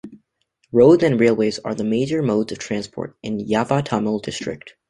Roads and Railways are the major modes of transport in Yavatmal district.